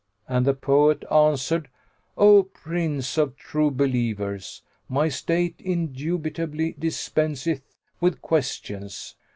and the poet answered, "O Prince of True Believers, my state indubitably dispenseth with questions."